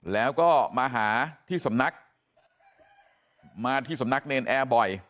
แล้วก็มาหาที่สำนักมาที่สำนักเนรนแอร์บ่อย